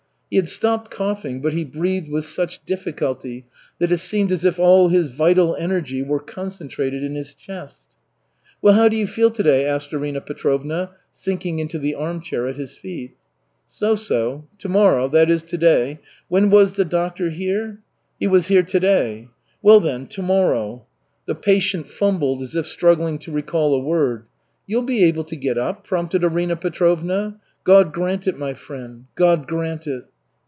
He had stopped coughing, but he breathed with such difficulty that it seemed as if all his vital energy were concentrated in his chest. "Well, how do you feel to day?" asked Arina Petrovna, sinking into the armchair at his feet. "So so to morrow that is, to day when was the doctor here?" "He was here to day." "Well, then, to morrow " The patient fumbled as if struggling to recall a word. "You'll be able to get up?" prompted Arina Petrovna. "God grant it, my friend, God grant it."